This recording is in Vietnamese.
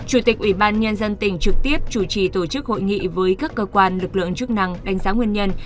chủ tịch ubnd trực tiếp chủ trì tổ chức hội nghị với các cơ quan lực lượng chức năng đánh giá nguyên nhân